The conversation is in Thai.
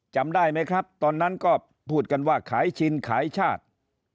จำได้ไหมครับตอนนั้นก็พูดกันว่าขายชินขายชาติ